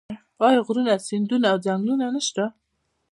آیا غرونه سیندونه او ځنګلونه نشته؟